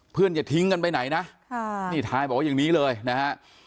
อย่าทิ้งกันไปไหนนะนี่ทายบอกว่าอย่างนี้เลยนะฮะ